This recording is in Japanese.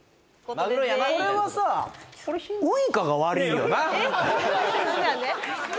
これはさウイカが悪いよなえっ何で？